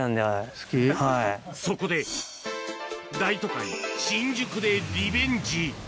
そこで、大都会、新宿でリベンジ。